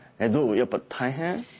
やっぱ大変？